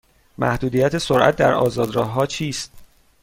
محدودیت سرعت در آزاد راه ها چیست؟